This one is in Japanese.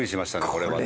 これはね。